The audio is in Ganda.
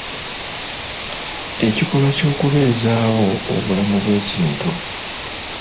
Ekikolwa ky'okubeezaawo obulamu bw'ekintu.